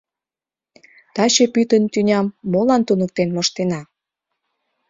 Таче пӱтынь тӱням молан туныктен моштена?